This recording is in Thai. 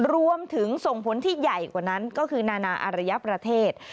รวมถึงส่งผลที่ใหญ่กว่านั้นก็คือนานาอารยประเทศ